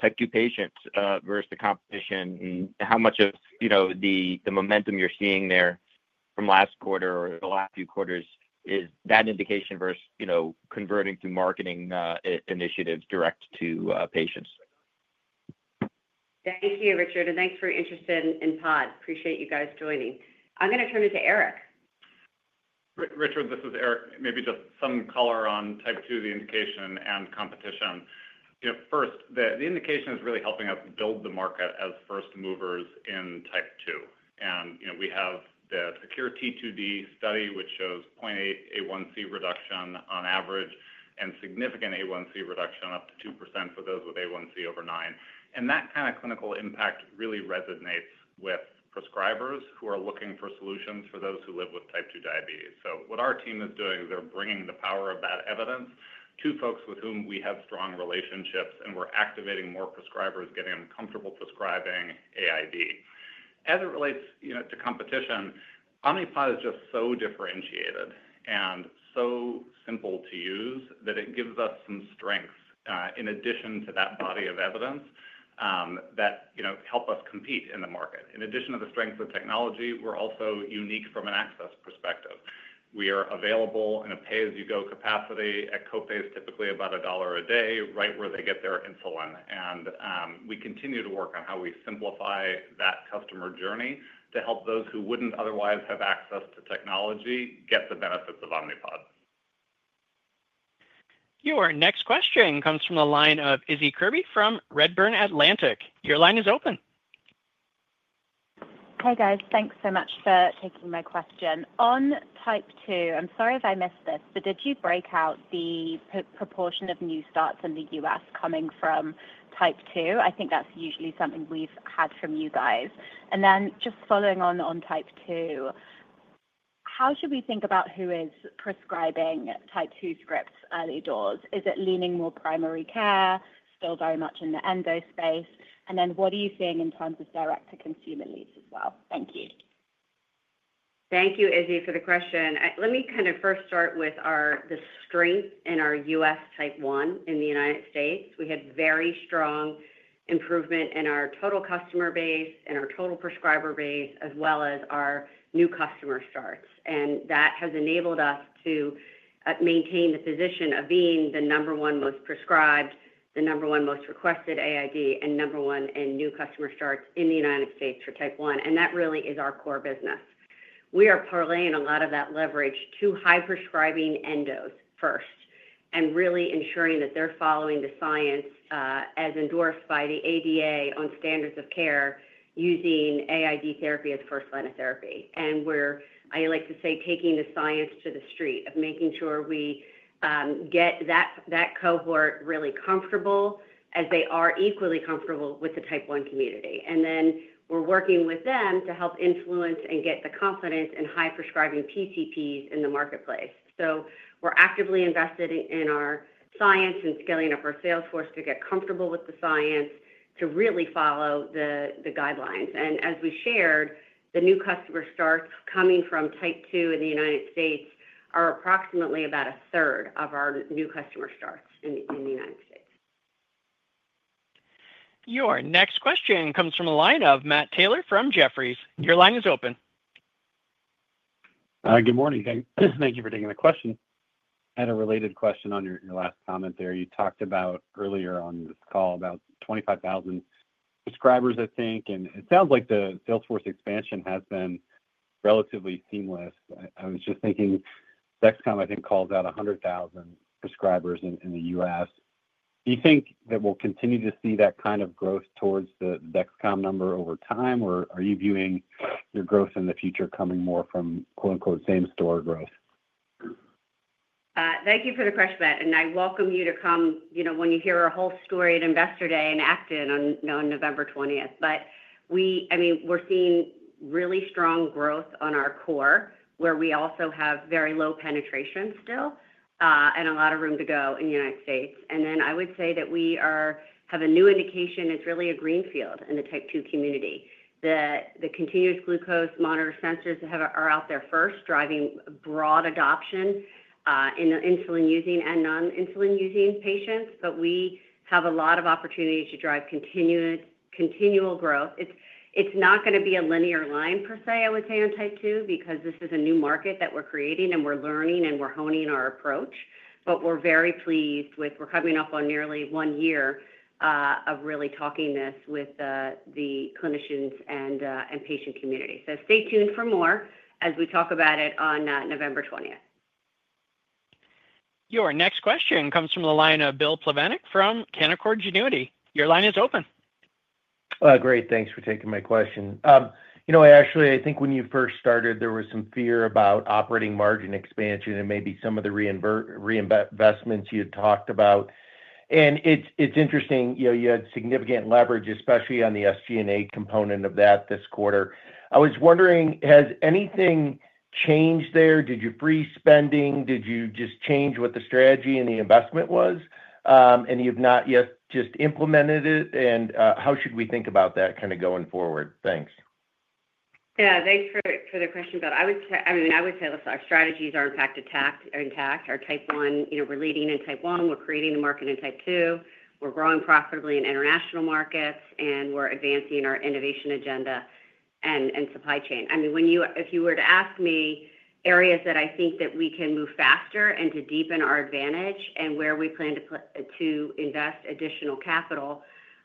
type 2 patients versus the competition, and how much of the momentum you're seeing there from last quarter or the last few quarters is that indication versus converting to marketing initiatives direct to patients. Thank you, Richard, and thanks for your interest in PODD. Appreciate you guys joining. I'm going to turn it to Eric. Richard, this is Eric. Maybe just some color on type 2, the indication and competition. First, the indication is really helping us build the market as first movers in type 2. We have the SECURE-T2D study, which shows 0.8% A1c reduction on average and significant A1c reduction up to 2% for those with A1c over 9%. That kind of clinical impact really resonates with prescribers who are looking for solutions for those who live with type 2 diabetes. What our team is doing is they're bringing the power of that evidence to folks with whom we have strong relationships, and we're activating more prescribers, getting them comfortable prescribing AID. As it relates to competition, Omnipod is just so differentiated and so simple to use that it gives us some strengths in addition to that body of evidence that help us compete in the market. In addition to the strengths of technology, we're also unique from an access perspective. We are available in a pay-as-you-go capacity at copays typically about $1 a day, right where they get their insulin. We continue to work on how we simplify that customer journey to help those who wouldn't otherwise have access to technology get the benefits of Omnipod. Your next question comes from a line of Issie Kirby from Redburn Atlantic. Your line is open. Hey, guys. Thanks so much for taking my question. On type 2, I'm sorry if I missed this, but did you break out the proportion of new starts in the U.S. coming from type 2? I think that's usually something we've had from you guys. Just following on on type 2, how should we think about who is prescribing type 2 scripts early doors? Is it leaning more primary care, still very much in the endo space? What are you seeing in terms of direct-to-consumer leads as well? Thank you. Thank you, Issie, for the question. Let me first start with the strength in our U.S. type 1 in the United States. We had very strong improvement in our total customer base, in our total prescriber base, as well as our new customer starts. That has enabled us to maintain the position of being the number one most prescribed, the number one most requested AID, and number one in new customer starts in the United States for type 1. That really is our core business. We are parlaying a lot of that leverage to high prescribing endos first and really ensuring that they're following the science as endorsed by the ADA on standards of care using AID therapy as first line of therapy. I like to say, taking the science to the street of making sure we get that cohort really comfortable as they are equally comfortable with the type 1 community. We are working with them to help influence and get the confidence in high prescribing PCPs in the marketplace. We are actively invested in our science and scaling up our sales force to get comfortable with the science to really follow the guidelines. As we shared, the new customer starts coming from type 2 in the United States are approximately about a third of our new customer starts in the United States. Your next question comes from a line of Matt Taylor from Jefferies. Your line is open. Good morning. Thank you for taking the question. I had a related question on your last comment there. You talked about earlier on this call about 25,000 subscribers, I think, and it sounds like the sales force expansion has been relatively seamless. I was just thinking Dexcom, I think, calls out 100,000 subscribers in the U.S. Do you think that we'll continue to see that kind of growth towards the Dexcom number over time, or are you viewing your growth in the future coming more from, quote unquote, "same store" growth? Thank you for the question, Matt, and I welcome you to come when you hear our whole story at Investor Day in Acton on November 20th. We're seeing really strong growth on our core where we also have very low penetration still and a lot of room to go in the United States. I would say that we have a new indication. It's really a greenfield in the type 2 community. The continuous glucose monitor sensors are out there first, driving broad adoption in the insulin-using and non-insulin-using patients, but we have a lot of opportunity to drive continual growth. It's not going to be a linear line per se, I would say, on type 2 because this is a new market that we're creating and we're learning and we're honing our approach. We're very pleased with we're coming up on nearly one year of really talking this with the clinicians and patient community. Stay tuned for more as we talk about it on November 20th. Your next question comes from the line of Bill Plovanic from Canaccord Genuity. Your line is open. Great. Thanks for taking my question. Ashley, I think when you first started, there was some fear about operating margin expansion and maybe some of the reinvestments you had talked about. It's interesting, you had significant leverage, especially on the SG&A component of that this quarter. I was wondering, has anything changed there? Did you free spending? Did you just change what the strategy and the investment was, and you've not yet just implemented it? How should we think about that kind of going forward? Thanks. Yeah, thanks for the question, Bill. I would say our strategies are in fact intact. Our type 1, you know, we're leading in type 1. We're creating the market in type 2. We're growing profitably in international markets, and we're advancing our innovation agenda and supply chain. If you were to ask me areas that I think that we can move faster and to deepen our advantage and where we plan to invest additional capital,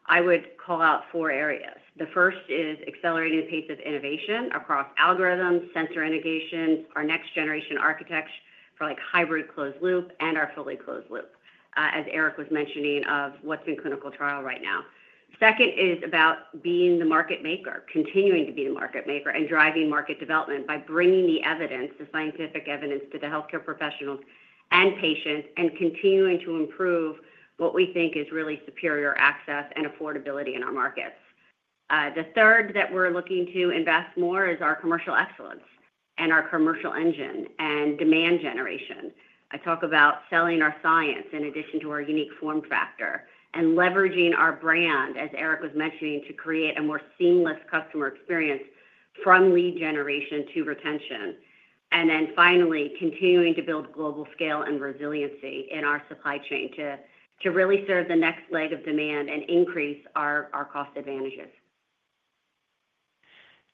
I would call out four areas. The first is accelerating the pace of innovation across algorithms, sensor innovation, our next generation architects for like hybrid closed-loop and our fully closed-loop, as Eric was mentioning, of what's in clinical trial right now. Second is about being the market maker, continuing to be the market maker, and driving market development by bringing the evidence, the scientific evidence, to the healthcare professionals and patients and continuing to improve what we think is really superior access and affordability in our markets. The third that we're looking to invest more is our commercial excellence and our commercial engine and demand generation. I talk about selling our science in addition to our unique form factor and leveraging our brand, as Eric was mentioning, to create a more seamless customer experience from lead generation to retention. Finally, continuing to build global scale and resiliency in our supply chain to really serve the next leg of demand and increase our cost advantages.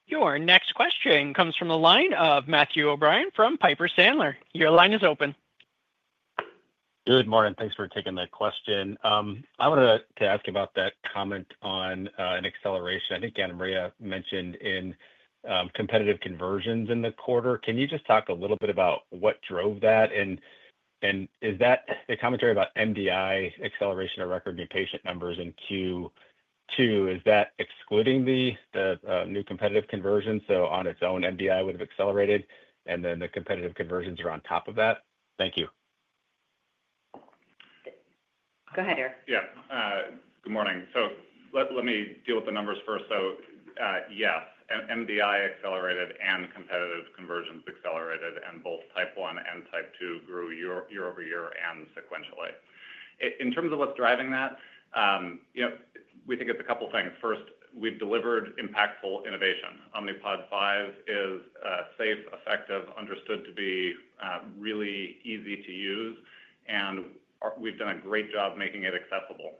Your next question comes from a line of Matthew O'Brien from Piper Sandler. Your line is open. Good morning. Thanks for taking the question. I wanted to ask about that comment on an acceleration I think Ana Maria mentioned in competitive conversions in the quarter. Can you just talk a little bit about what drove that? Is that the commentary about MDI acceleration or record new patient numbers in Q2? Is that excluding the new competitive conversion? On its own, MDI would have accelerated, and then the competitive conversions are on top of that? Thank you. Go ahead, Eric. Yeah. Good morning. Let me deal with the numbers first. Yes, MDI accelerated and competitive conversions accelerated, and both type 1 and type 2 grew year-over-year and sequentially. In terms of what's driving that, we think of a couple of things. First, we've delivered impactful innovation. Omnipod 5 is safe, effective, understood to be really easy to use, and we've done a great job making it accessible.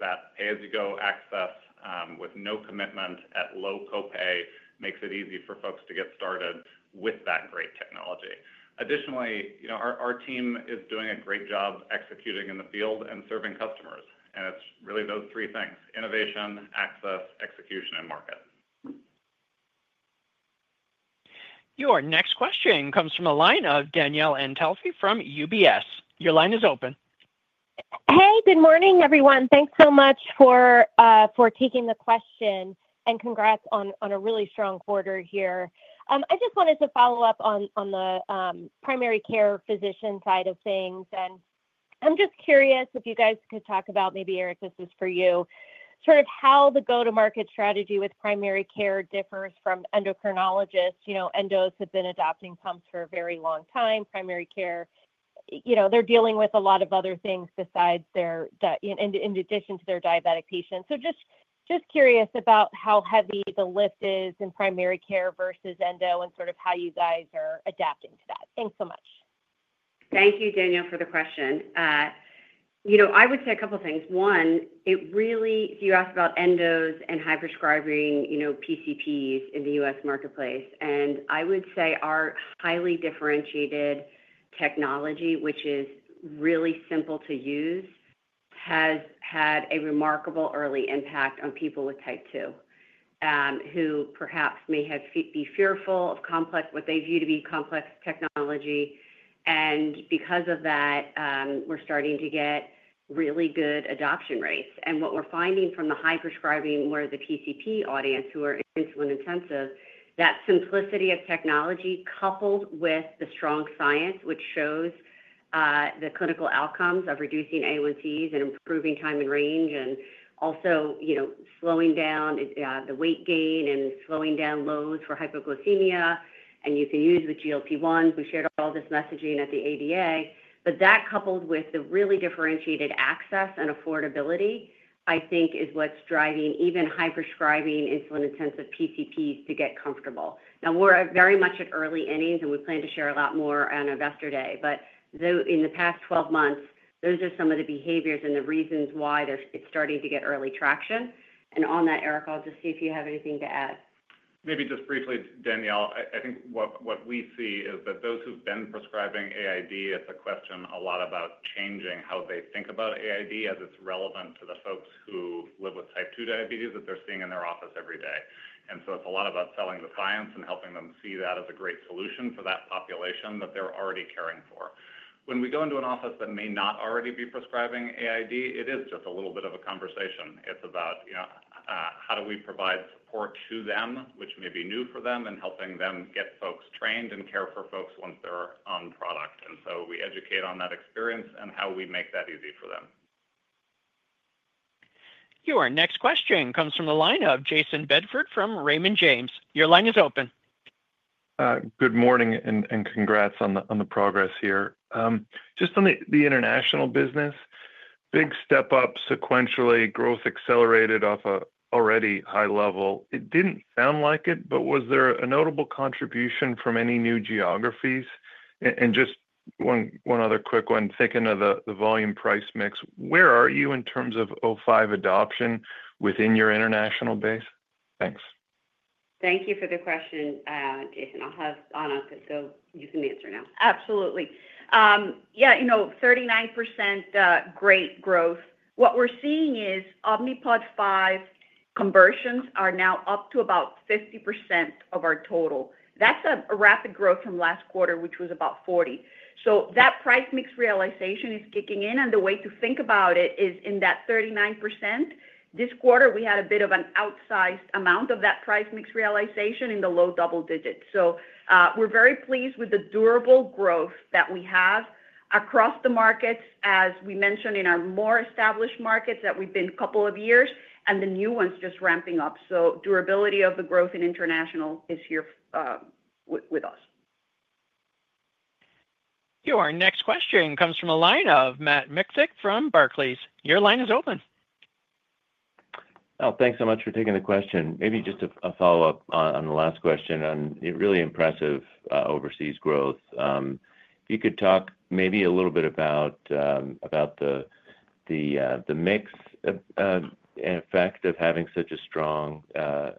That pay-as-you-go access with no commitment at low copay makes it easy for folks to get started with that great technology. Additionally, our team is doing a great job executing in the field and serving customers. It's really those three things: innovation, access, execution, and market. Your next question comes from a line of Danielle Antalffy from UBS. Your line is open. Hey, good morning, everyone. Thanks so much for taking the question, and congrats on a really strong quarter here. I just wanted to follow up on the primary care physician side of things, and I'm just curious if you guys could talk about, maybe Eric, this is for you, sort of how the go-to-market strategy with primary care differs from endocrinologists. You know, endos have been adopting pumps for a very long time. Primary care, you know, they're dealing with a lot of other things besides their, in addition to their diabetic patients. Just curious about how heavy the lift is in primary care versus endo and sort of how you guys are adapting to that. Thanks so much. Thank you, Danielle, for the question. I would say a couple of things. One, you asked about endos and high prescribing PCPs in the U.S. marketplace. I would say our highly differentiated technology, which is really simple to use, has had a remarkable early impact on people with type 2, who perhaps may be fearful of what they view to be complex technology. Because of that, we're starting to get really good adoption rates. What we're finding from the high prescribing, where the PCP audience who are insulin-intensive, that simplicity of technology coupled with the strong science, which shows the clinical outcomes of reducing A1cs and improving time in range, and also slowing down the weight gain and slowing down lows for hypoglycemia. You can use the GLP-1. We shared all this messaging at the ADA. That, coupled with the really differentiated access and affordability, I think is what's driving even high prescribing insulin-intensive PCPs to get comfortable. We're very much at early innings, and we plan to share a lot more on Investor Day. In the past 12 months, those are some of the behaviors and the reasons why it's starting to get early traction. On that, Eric, I'll see if you have anything to add. Maybe just briefly, Danielle, I think what we see is that those who've been prescribing AID, it's a question a lot about changing how they think about AID as it's relevant to the folks who live with type 2 diabetes that they're seeing in their office every day. It's a lot about selling the science and helping them see that as a great solution for that population that they're already caring for. When we go into an office that may not already be prescribing AID, it is just a little bit of a conversation. It's about, you know, how do we provide support to them, which may be new for them, and helping them get folks trained and care for folks once they're on product. We educate on that experience and how we make that easy for them. Your next question comes from the line of Jayson Bedford from Raymond James. Your line is open. Good morning, and congrats on the progress here. Just on the international business, big step up sequentially, growth accelerated off an already high level. It didn't sound like it, but was there a notable contribution from any new geographies? Just one other quick one, thinking of the volume price mix, where are you in terms of O5 adoption within your international base? Thanks. Thank you for the question, Jayson. I'll have Ana put on, so you can answer now. Absolutely. Yeah, you know, 39% great growth. What we're seeing is Omnipod 5 conversions are now up to about 50% of our total. That's a rapid growth from last quarter, which was about 40%. That price mix realization is kicking in, and the way to think about it is in that 39%. This quarter, we had a bit of an outsized amount of that price mix realization in the low double digits. We're very pleased with the durable growth that we have across the markets, as we mentioned in our more established markets that we've been a couple of years, and the new ones just ramping up. Durability of the growth in international is here with us. Your next question comes from the line of Matt Miksic from Barclays. Your line is open. Oh, thanks so much for taking the question. Maybe just a follow-up on the last question on really impressive overseas growth. If you could talk maybe a little bit about the mix effect of having such a strong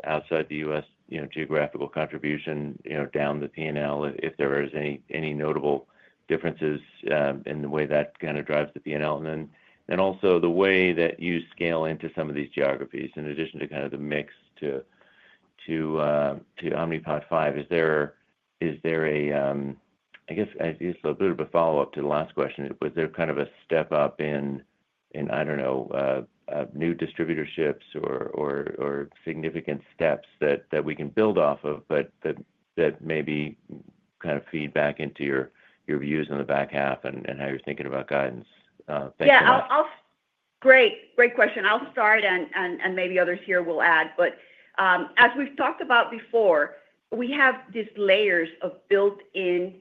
outside the U.S. geographical contribution, you know, down the P&L, if there are any notable differences in the way that kind of drives the P&L, and then also the way that you scale into some of these geographies in addition to kind of the mix to Omnipod 5. Is there a little bit of a follow-up to the last question. Was there kind of a step up in, I don't know, new distributorships or significant steps that we can build off of, but that maybe kind of feed back into your views on the back half and how you're thinking about guidance? Yeah, great question. I'll start, and maybe others here will add, but as we've talked about before, we have these layers of built-in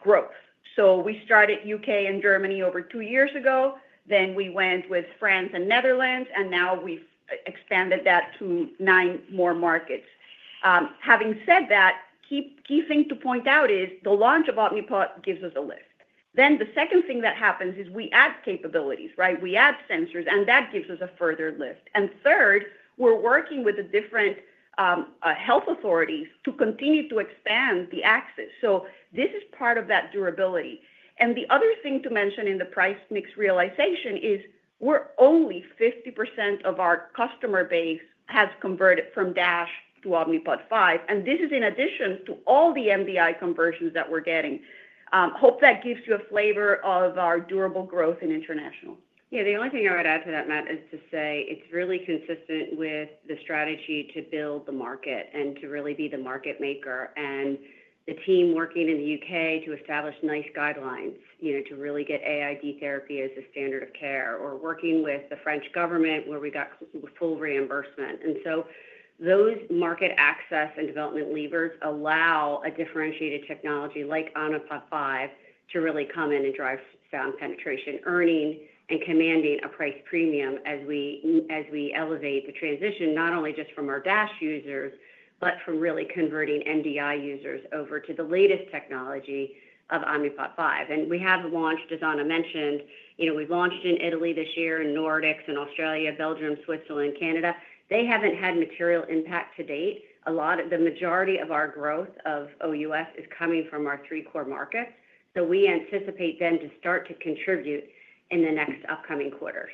growth. We started U.K. and Germany over two years ago. We went with France and Netherlands, and now we've expanded that to nine more markets. Having said that, the key thing to point out is the launch of Omnipod gives us a lift. The second thing that happens is we add capabilities, right? We add sensors, and that gives us a further lift. We're working with the different health authorities to continue to expand the access. This is part of that durability. The other thing to mention in the price mix realization is we're only 50% of our customer base has converted from DASH to Omnipod 5, and this is in addition to all the MDI conversions that we're getting. I hope that gives you a flavor of our durable growth in international. Yeah, the only thing I would add to that, Matt, is to say it's really consistent with the strategy to build the market and to really be the market maker and the team working in the U.K. to establish NICE guidelines, you know, to really get AID therapy as a standard of care or working with the French government where we got full reimbursement. Those market access and development levers allow a differentiated technology like Omnipod 5 to really come in and drive sound penetration, earning and commanding a price premium as we elevate the transition, not only just from our DASH users, but from really converting MDI users over to the latest technology of Omnipod 5. We have launched, as Ana mentioned, you know, we've launched in Italy this year and Nordics, in Australia, Belgium, Switzerland, Canada. They haven't had material impact to date. The majority of our growth OUS is coming from our three core markets. We anticipate them to start to contribute in the next upcoming quarters.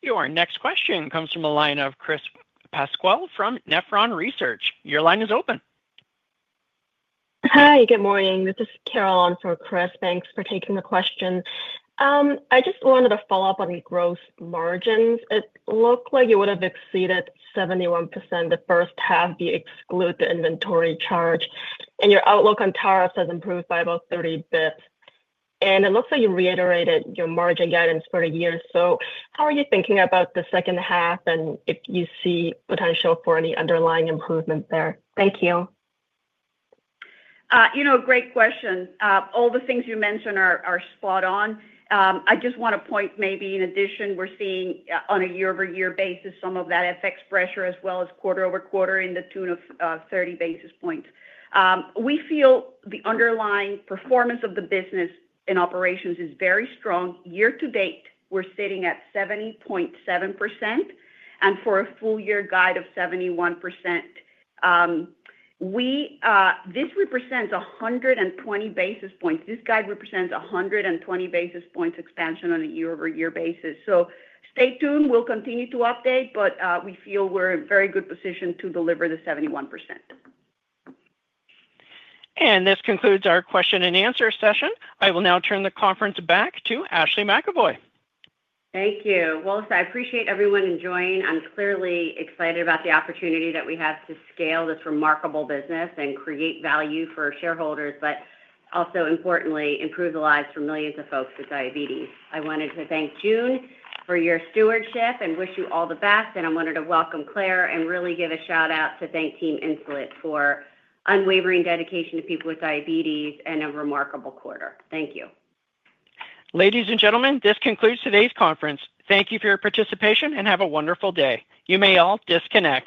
Your next question comes from a line of Chris Pasquale from Nephron Research. Your line is open. Hi, good morning. This is Carol Wong on for Chris. Thanks for taking the question. I just wanted to follow up on the gross margins. It looked like you would have exceeded 71% the first half if you exclude the inventory charge, and your outlook on tariffs has improved by about 30 bps. It looks like you reiterated your margin guidance for the year. How are you thinking about the second half and if you see potential for any underlying improvement there? Thank you. Great question. All the things you mentioned are spot on. I just want to point, maybe in addition, we're seeing on a year-over-year basis some of that FX pressure as well as quarter-over-quarter in the tune of 30 basis points. We feel the underlying performance of the business in operations is very strong. Year to date, we're sitting at 70.7% and for a full year guide of 71%. This represents 120 basis points. This guide represents 120 basis points expansion on a year-over-year basis. Stay tuned. We'll continue to update, but we feel we're in a very good position to deliver the 71%. This concludes our question and answer session. I will now turn the conference back to Ashley McEvoy. Thank you. I appreciate everyone in joining. I'm clearly excited about the opportunity that we have to scale this remarkable business and create value for shareholders, but also importantly, improve the lives for millions of folks with diabetes. I wanted to thank June for your stewardship and wish you all the best. I wanted to welcome Clare and really give a shout out to thank Team Insulet for unwavering dedication to people with diabetes and a remarkable quarter. Thank you. Ladies and gentlemen, this concludes today's conference. Thank you for your participation and have a wonderful day. You may all disconnect.